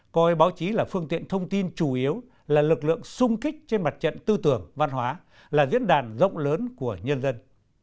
coi báo chí là phương tiện thông tin chủ yếu là lực lượng sung kích trên mặt trận tư tưởng văn hóa là diễn đàn rộng lớn của nhân dân